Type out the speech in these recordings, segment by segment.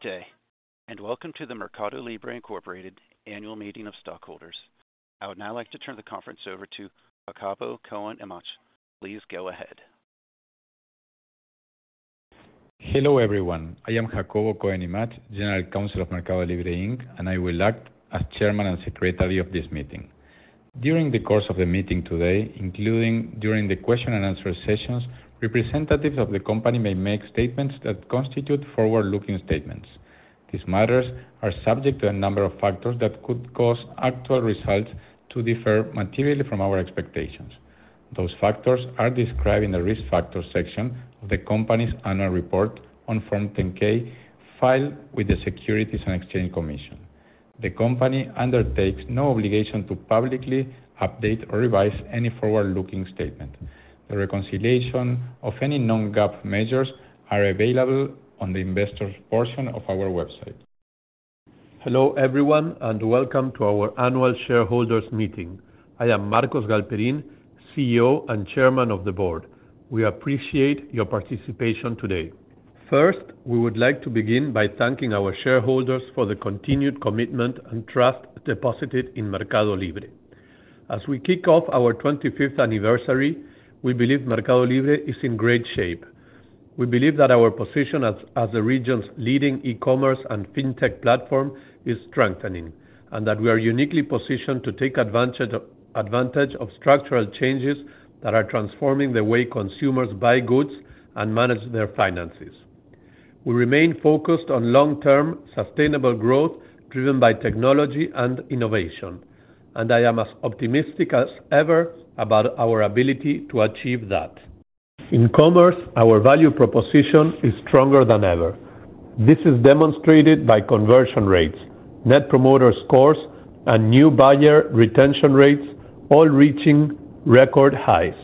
Good day, and welcome to the MercadoLibre Incorporated Annual Meeting of Stockholders. I would now like to turn the conference over to Jacobo Cohen Imach. Please go ahead. Hello, everyone. I am Jacobo Cohen Imach, General Counsel of MercadoLibre, Inc, and I will act as chairman and secretary of this meeting. During the course of the meeting today, including during the question and answer sessions, representatives of the company may make statements that constitute forward-looking statements. These matters are subject to a number of factors that could cause actual results to differ materially from our expectations. Those factors are described in the Risk Factors section of the company's annual report on Form 10-K, filed with the Securities and Exchange Commission. The company undertakes no obligation to publicly update or revise any forward-looking statement. The reconciliation of any non-GAAP measures are available on the investors' portion of our website. Hello, everyone, and welcome to our annual shareholders' meeting. I am Marcos Galperin, CEO and Chairman of the Board. We appreciate your participation today. First, we would like to begin by thanking our shareholders for the continued commitment and trust deposited in MercadoLibre. As we kick off our 25th anniversary, we believe MercadoLibre is in great shape. We believe that our position as the region's leading e-commerce and fintech platform is strengthening, and that we are uniquely positioned to take advantage of structural changes that are transforming the way consumers buy goods and manage their finances. We remain focused on long-term, sustainable growth driven by technology and innovation, and I am as optimistic as ever about our ability to achieve that. In commerce, our value proposition is stronger than ever. This is demonstrated by conversion rates, net promoter scores, and new buyer retention rates, all reaching record highs.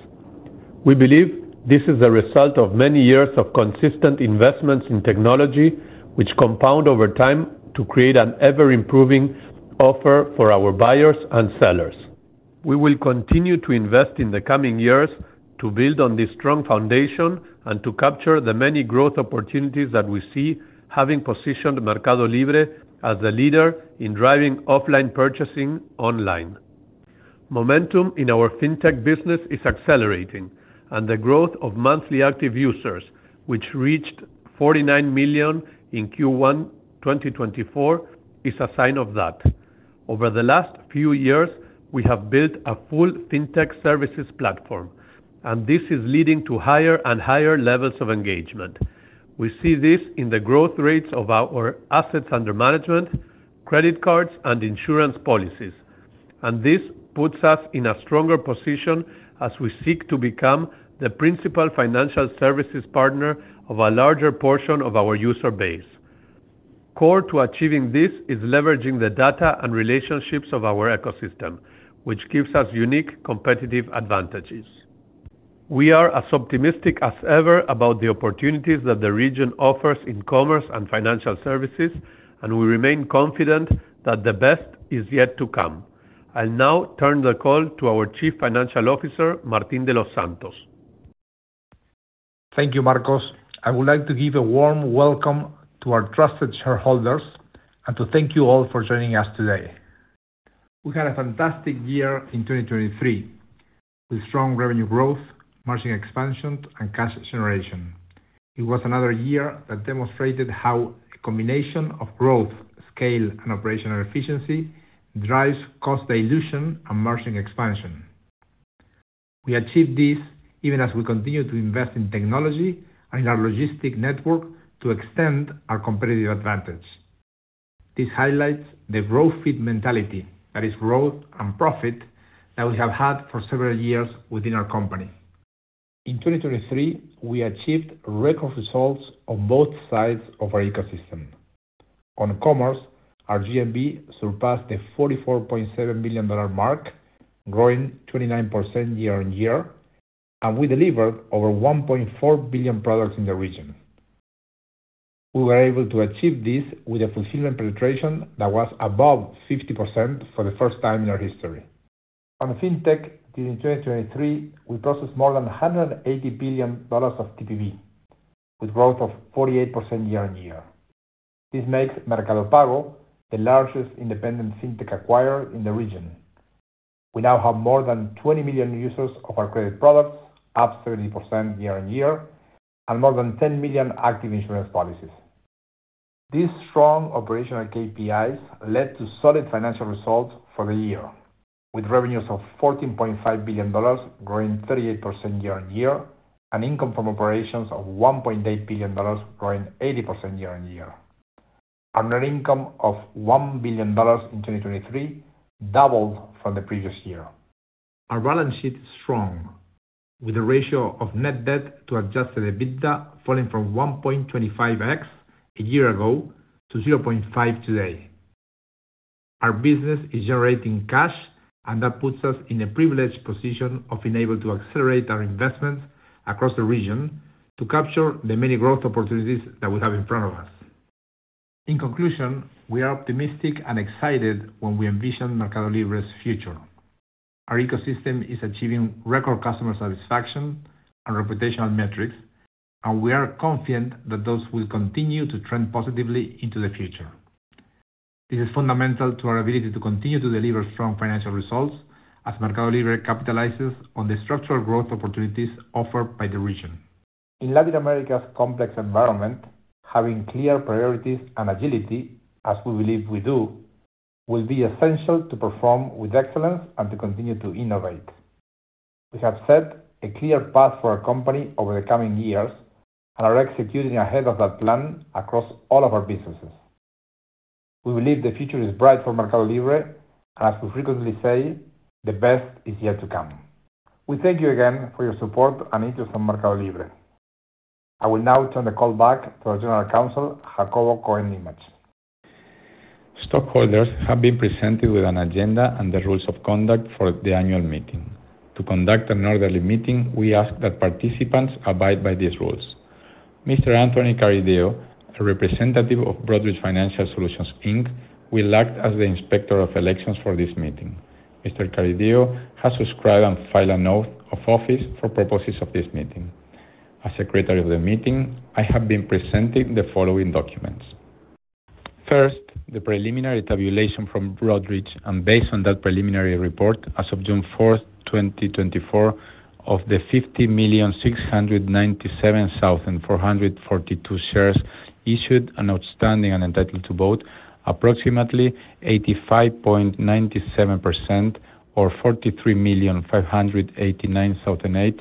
We believe this is a result of many years of consistent investments in technology, which compound over time to create an ever-improving offer for our buyers and sellers. We will continue to invest in the coming years to build on this strong foundation and to capture the many growth opportunities that we see, having positioned MercadoLibre as the leader in driving offline purchasing online. Momentum in our fintech business is accelerating, and the growth of monthly active users, which reached 49 million in Q1 2024, is a sign of that. Over the last few years, we have built a full fintech services platform, and this is leading to higher and higher levels of engagement. We see this in the growth rates of our assets under management, credit cards, and insurance policies, and this puts us in a stronger position as we seek to become the principal financial services partner of a larger portion of our user base. Core to achieving this is leveraging the data and relationships of our ecosystem, which gives us unique competitive advantages. We are as optimistic as ever about the opportunities that the region offers in commerce and financial services, and we remain confident that the best is yet to come. I'll now turn the call to our Chief Financial Officer, Martín de los Santos. Thank you, Marcos. I would like to give a warm welcome to our trusted shareholders and to thank you all for joining us today. We had a fantastic year in 2023, with strong revenue growth, margin expansion, and cash generation. It was another year that demonstrated how a combination of growth, scale, and operational efficiency drives cost dilution and margin expansion. We achieved this even as we continue to invest in technology and in our logistics network to extend our competitive advantage. This highlights the growth fit mentality, that is growth and profit, that we have had for several years within our company. In 2023, we achieved record results on both sides of our ecosystem. On commerce, our GMV surpassed the $44.7 billion mark, growing 29% year-on-year, and we delivered over 1.4 billion products in the region. We were able to achieve this with a fulfillment penetration that was above 50% for the first time in our history. On fintech, during 2023, we processed more than $180 billion of TPV, with growth of 48% year-on-year. This makes Mercado Pago the largest independent fintech acquirer in the region. We now have more than 20 million users of our credit products, up 30% year-on-year, and more than 10 million active insurance policies. These strong operational KPIs led to solid financial results for the year, with revenues of $14.5 billion, growing 38% year-on-year, and income from operations of $1.8 billion, growing 80% year-on-year. Our income of $1 billion in 2023 doubled from the previous year. Our balance sheet is strong, with a ratio of net debt to adjusted EBITDA falling from 1.25x a year ago to 0.5 today. Our business is generating cash, and that puts us in a privileged position of being able to accelerate our investments across the region to capture the many growth opportunities that we have in front of us. In conclusion, we are optimistic and excited when we envision MercadoLibre's future. Our ecosystem is achieving record customer satisfaction and reputational metrics, and we are confident that those will continue to trend positively into the future. This is fundamental to our ability to continue to deliver strong financial results as MercadoLibre capitalizes on the structural growth opportunities offered by the region. In Latin America's complex environment, having clear priorities and agility, as we believe we do, will be essential to perform with excellence and to continue to innovate. We have set a clear path for our company over the coming years and are executing ahead of that plan across all of our businesses. We believe the future is bright for MercadoLibre, and as we frequently say, the best is yet to come. We thank you again for your support and interest in MercadoLibre. I will now turn the call back to our General Counsel, Jacobo Cohen Imach. Stockholders have been presented with an agenda and the rules of conduct for the annual meeting. To conduct an orderly meeting, we ask that participants abide by these rules. Mr. Anthony Carideo, a representative of Broadridge Financial Solutions, Inc, will act as the Inspector of Elections for this meeting. Mr. Carideo has subscribed and filed an oath of office for purposes of this meeting. As Secretary of the meeting, I have been presenting the following documents. First, the preliminary tabulation from Broadridge, and based on that preliminary report, as of June 4, 2024, of the 50,697,442 shares issued and outstanding and entitled to vote, approximately 85.97% or 43,589,008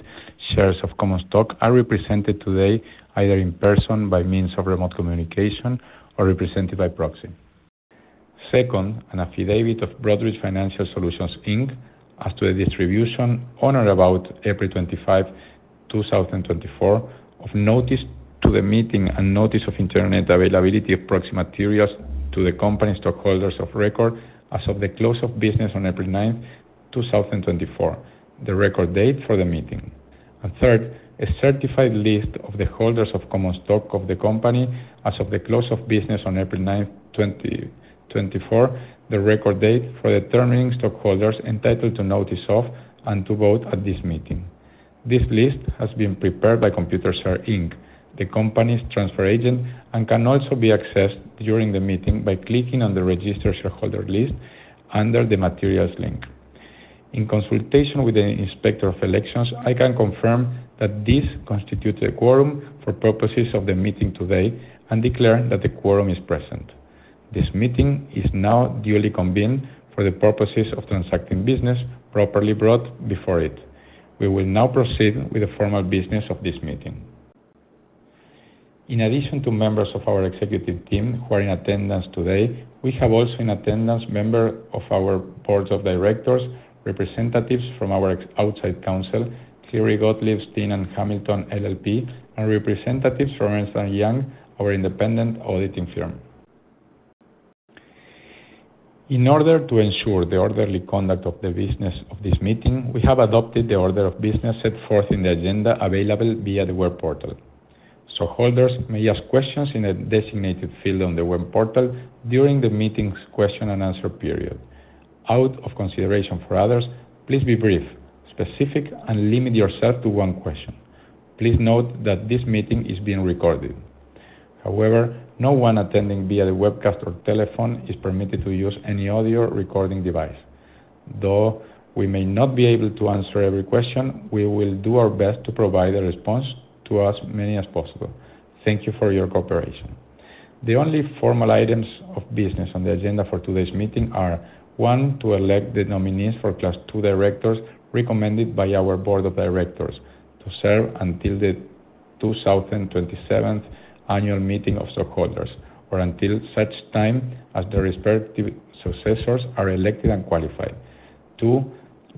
shares of common stock are represented today, either in person, by means of remote communication, or represented by proxy. Second, an affidavit of Broadridge Financial Solutions, Inc, as to the distribution on or about April 25, 2024, of notice to the meeting and notice of Internet availability of proxy materials to the company's stockholders of record as of the close of business on April 9, 2024, the record date for the meeting. Third, a certified list of the holders of common stock of the company as of the close of business on April 9, 2024, the record date for determining stockholders entitled to notice of and to vote at this meeting. This list has been prepared by Computershare, Inc, the company's transfer agent, and can also be accessed during the meeting by clicking on the Registered Shareholder List under the Materials link. In consultation with the Inspector of Elections, I can confirm that this constitutes a quorum for purposes of the meeting today and declare that the quorum is present. This meeting is now duly convened for the purposes of transacting business properly brought before it. We will now proceed with the formal business of this meeting. In addition to members of our executive team who are in attendance today, we have also in attendance members of our board of directors, representatives from our outside counsel, Cleary Gottlieb Steen & Hamilton LLP, and representatives from Ernst & Young, our independent auditing firm. In order to ensure the orderly conduct of the business of this meeting, we have adopted the order of business set forth in the agenda available via the web portal. Stockholders may ask questions in a designated field on the web portal during the meeting's question and answer period. Out of consideration for others, please be brief, specific, and limit yourself to one question. Please note that this meeting is being recorded. However, no one attending via the webcast or telephone is permitted to use any audio recording device. Though we may not be able to answer every question, we will do our best to provide a response to as many as possible. Thank you for your cooperation. The only formal items of business on the agenda for today's meeting are, one, to elect the nominees for Class II directors recommended by our board of directors to serve until the 2027 annual meeting of stockholders, or until such time as their respective successors are elected and qualified. Two,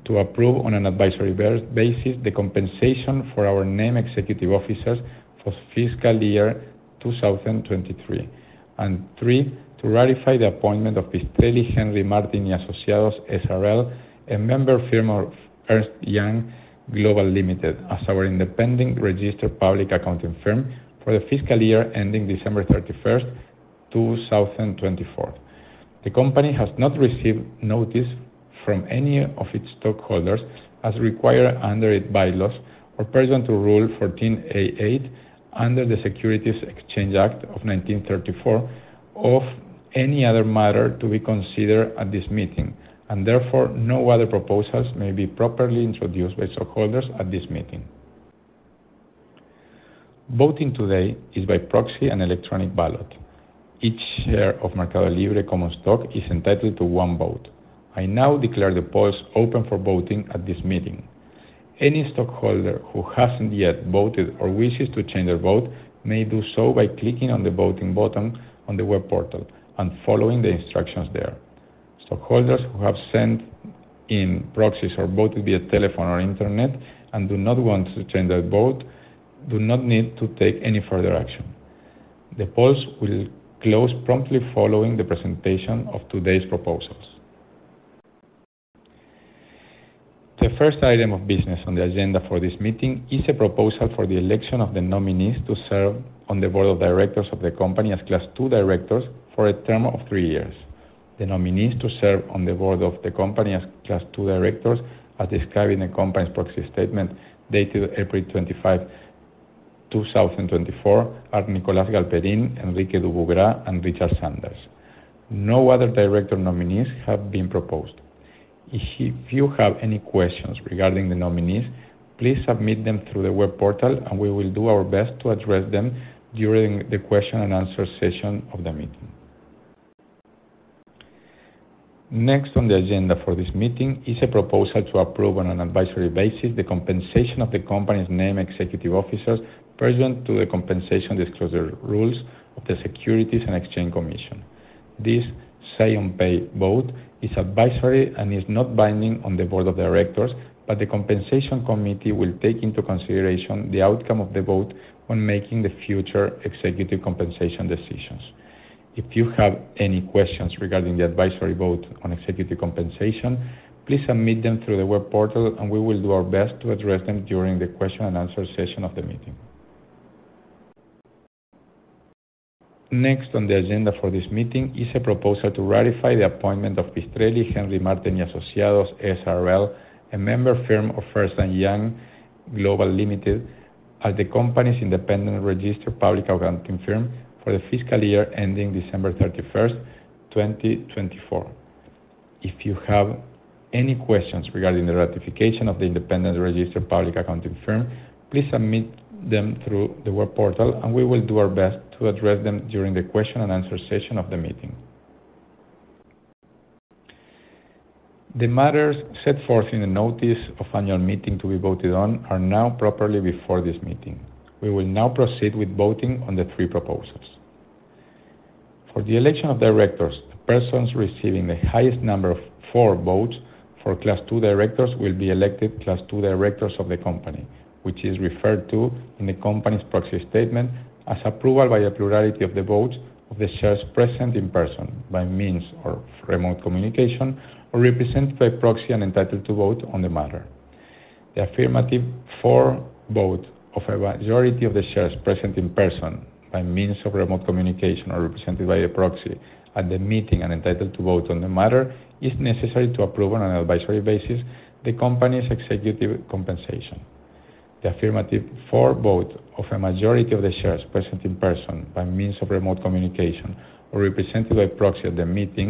to approve on an advisory basis, the compensation for our named executive officers for fiscal year 2023. And three, to ratify the appointment of Pistrelli, Henry Martin y Asociados S.R.L., a member firm of Ernst & Young Global Limited, as our independent registered public accounting firm for the fiscal year ending December 31, 2024. The company has not received notice from any of its stockholders, as required under its bylaws or pursuant to Rule 14a-8 under the Securities Exchange Act of 1934, of any other matter to be considered at this meeting, and therefore, no other proposals may be properly introduced by stockholders at this meeting. Voting today is by proxy and electronic ballot. Each share of MercadoLibre common stock is entitled to one vote. I now declare the polls open for voting at this meeting. Any stockholder who hasn't yet voted or wishes to change their vote may do so by clicking on the voting button on the web portal and following the instructions there. Stockholders who have sent in proxies or voted via telephone or internet and do not want to change their vote do not need to take any further action. The polls will close promptly following the presentation of today's proposals. The first item of business on the agenda for this meeting is a proposal for the election of the nominees to serve on the board of directors of the company as class II directors for a term of three years. The nominees to serve on the board of the company as class II directors, as described in the company's proxy statement, dated April 25, 2024, are Nicolás Galperín, Enrique Dubugras, and Richard Sanders. No other director nominees have been proposed. If you have any questions regarding the nominees, please submit them through the web portal, and we will do our best to address them during the question and answer session of the meeting. Next on the agenda for this meeting is a proposal to approve on an advisory basis the compensation of the company's named executive officers pursuant to the compensation disclosure rules of the Securities and Exchange Commission. This Say on Pay vote is advisory and is not binding on the board of directors, but the compensation committee will take into consideration the outcome of the vote when making the future executive compensation decisions. If you have any questions regarding the advisory vote on executive compensation, please submit them through the web portal and we will do our best to address them during the question and answer session of the meeting. Next on the agenda for this meeting is a proposal to ratify the appointment of Pistrelli, Henry Martin y Asociados S.R.L., a member firm of Ernst & Young Global Limited, as the company's independent registered public accounting firm for the fiscal year ending December thirty-first, twenty twenty-four. If you have any questions regarding the ratification of the independent registered public accounting firm, please submit them through the web portal, and we will do our best to address them during the question and answer session of the meeting. The matters set forth in the notice of annual meeting to be voted on are now properly before this meeting. We will now proceed with voting on the three proposals. For the election of directors, the persons receiving the highest number of votes for Class II directors will be elected Class II directors of the company, which is referred to in the company's proxy statement as approval by a plurality of the votes of the shares present in person, by means of remote communication or represented by proxy and entitled to vote on the matter. The affirmative vote of a majority of the shares present in person, by means of remote communication or represented by a proxy at the meeting and entitled to vote on the matter, is necessary to approve on an advisory basis the company's executive compensation. The affirmative vote of a majority of the shares present in person, by means of remote communication or represented by proxy at the meeting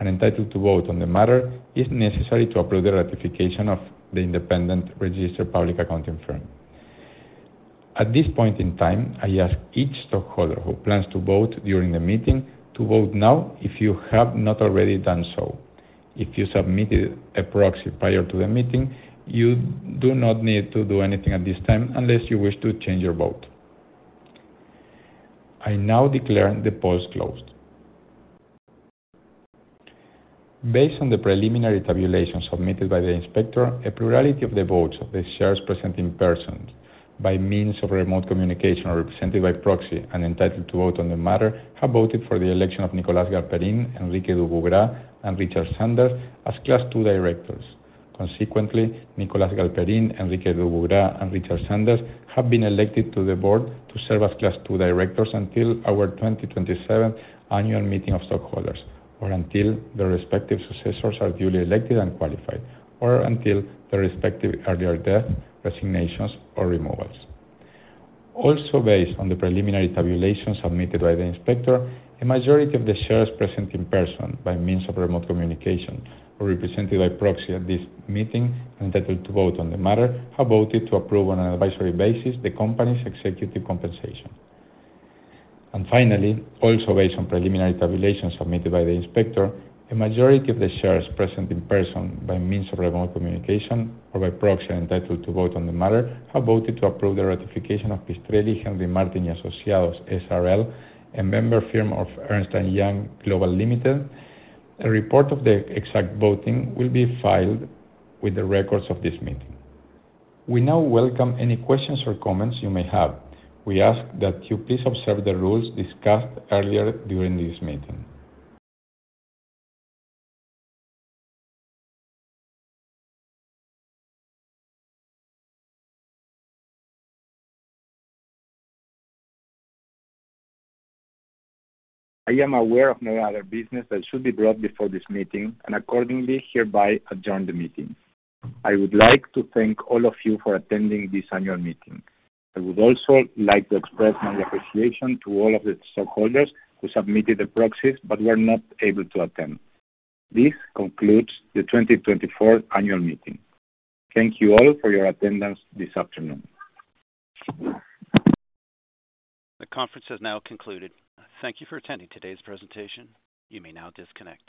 and entitled to vote on the matter, is necessary to approve the ratification of the independent registered public accounting firm. At this point in time, I ask each stockholder who plans to vote during the meeting to vote now if you have not already done so. If you submitted a proxy prior to the meeting, you do not need to do anything at this time unless you wish to change your vote. I now declare the polls closed. Based on the preliminary tabulation submitted by the inspector, a plurality of the votes of the shares present in person, by means of remote communication or represented by proxy and entitled to vote on the matter, have voted for the election of Nicolás Galperín, Enrique Dubugras, and Richard Sanders as class II directors. Consequently, Nicolás Galperín, Enrique Dubugras, and Richard Sanders have been elected to the board to serve as class II directors until our 2027 annual meeting of stockholders, or until their respective successors are duly elected and qualified, or until their respective earlier death, resignations, or removals. Also, based on the preliminary tabulation submitted by the inspector, a majority of the shares present in person, by means of remote communication or represented by proxy at this meeting, entitled to vote on the matter, have voted to approve on an advisory basis the company's executive compensation. Finally, also based on preliminary tabulation submitted by the inspector, a majority of the shares present in person, by means of remote communication or by proxy, entitled to vote on the matter, have voted to approve the ratification of Pistrelli, Henry Martin y Asociados S.R.L., a member firm of Ernst & Young Global Limited. A report of the exact voting will be filed with the records of this meeting. We now welcome any questions or comments you may have. We ask that you please observe the rules discussed earlier during this meeting. I am aware of no other business that should be brought before this meeting, and accordingly, hereby adjourn the meeting. I would like to thank all of you for attending this annual meeting. I would also like to express my appreciation to all of the stockholders who submitted the proxies but were not able to attend. This concludes the 2024 annual meeting. Thank you all for your attendance this afternoon. The conference has now concluded. Thank you for attending today's presentation. You may now disconnect.